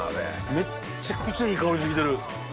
めっちゃくちゃいい香りして来てる！